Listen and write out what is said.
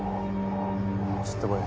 ちょっと来い。